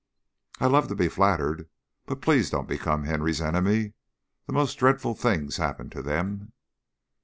"I love to be flattered, but please don't become Henry's enemy. The most dreadful things happen to them."